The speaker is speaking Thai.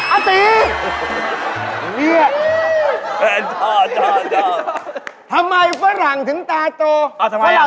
อาตีอาตีอาตี